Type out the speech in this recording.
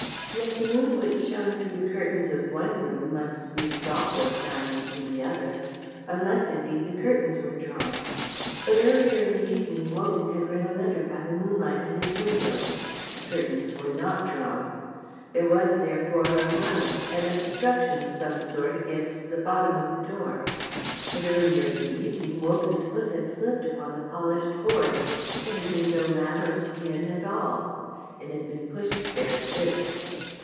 Yet the moon which shone through the windows of one room must needs also shine into the other, unless, indeed, the curtains were drawn. But earlier in the evening Wogan had read a letter by the moonlight at his window; the curtains were not drawn. There was, therefore, a rug, an obstruction of some sort against the bottom of the door. But earlier in the evening Wogan's foot had slipped upon the polished boards; there had been no mat or skin at all. It had been pushed there since.